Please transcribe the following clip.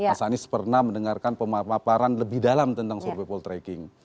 mas anies pernah mendengarkan pemaparan lebih dalam tentang survei poltreking